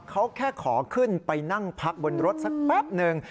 เขาแค่ขอขึ้นไปนั่งพักบนรถสักแป๊บนึง